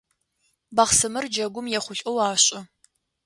Бахъсымэр джэгум ехъулӏэу ашӏы.